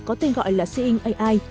có tên gọi là seeing ai